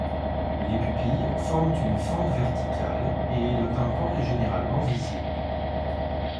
Les pupilles forment une fente verticale et le tympan est généralement visible.